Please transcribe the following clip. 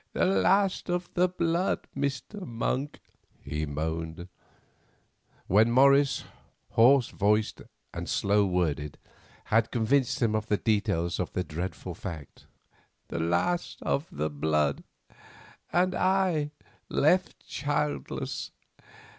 "The last of the blood, Mr. Monk," he moaned, when Morris, hoarse voiced and slow worded, had convinced him of the details of the dreadful fact, "the last of the blood; and I left childless.